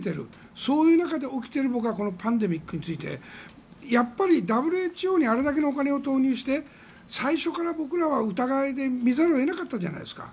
そういう中で起きているパンデミックについてやっぱりＷＨＯにあれだけのお金を投入して最初から僕らは疑いの目で見ざるを得なかったじゃないですか。